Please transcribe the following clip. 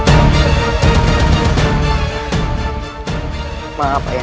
aku akan mengembal tugas ini